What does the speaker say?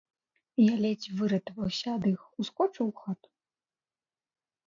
Я ледзь выратаваўся ад іх, ускочыў у хату.